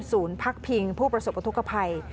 ศูนย์พักพิงผู้ประสบทุกขภัย